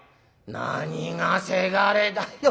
「何がせがれだよ。